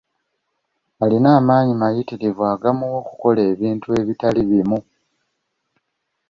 Alina amaanyi mayitririvu agamuwaga okukola ebintu ebitali bimu.